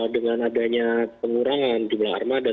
dengan adanya pengurangan jumlah armada